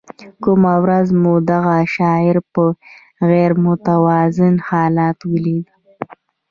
کومه ورځ مو دغه شاعر په غیر متوازن حالت ولید.